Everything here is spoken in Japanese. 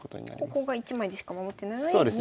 ここが１枚でしか守ってないのに２枚できてると。